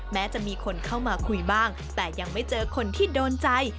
แม้จะมีคนเข้ามาคุยบ้างแต่ยังไม่เจอคนที่โดนใจ